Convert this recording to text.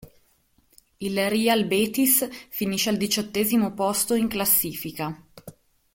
Il Real Betis finisce al diciottesimo posto in classifica.